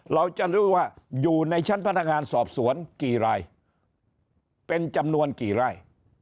เราจะรู้ว่าอยู่ในชั้นพนักงานสอบสวนกี่รายเป็นจำนวนกี่ไร่